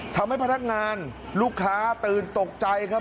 ทำให้พนักงานลูกค้าตื่นตกใจครับ